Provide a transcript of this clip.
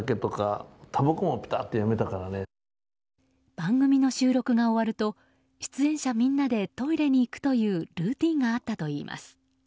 番組の収録が終わると出演者みんなでトイレに行くというルーティンがあったといいます。